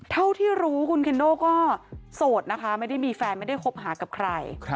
เท่าที่รู้คุณเคนโน่ก็โสดนะคะไม่ได้มีแฟนไม่ได้คบหากับใคร